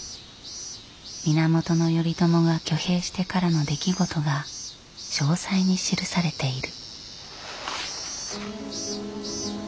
源頼朝が挙兵してからの出来事が詳細に記されている。